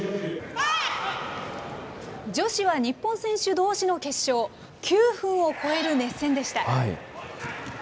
女子は日本選手どうしの決勝、９分を超える熱戦でした。